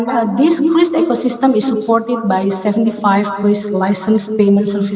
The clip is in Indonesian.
dan ekosistem kriz ini disempatkan oleh tujuh puluh lima pengusaha layanan servis kriz